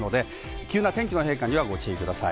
急な天気の変化にご注意ください。